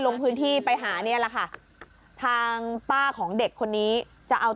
ลงพื้นที่ไปหาเนี่ยแหละค่ะทางป้าของเด็กคนนี้จะเอา